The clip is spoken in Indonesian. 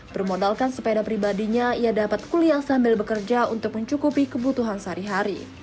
bermodalkan sepeda pribadinya ia dapat kuliah sambil bekerja untuk mencukupi kebutuhan sehari hari